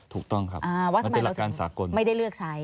ถูกต้องครับไม่ได้เลือกใช้